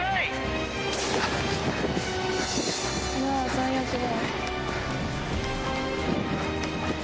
最悪だ。